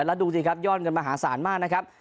แล้วดูสิครับยอดเงินมหาศาลมากนะครับ